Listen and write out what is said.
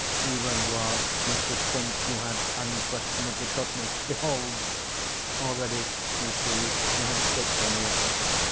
Even while you should think you had unquestionably caught me, behold! Already you see I have escaped from you.